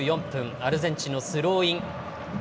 アルゼンチンのスローイン。